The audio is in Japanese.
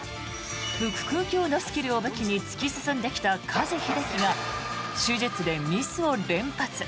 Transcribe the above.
腹腔鏡のスキルを武器に突き進んできた加地秀樹が手術でミスを連発。